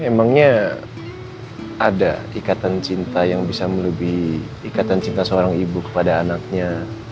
emangnya ada ikatan cinta yang bisa melebihi ikatan cinta seorang ibu kepada anaknya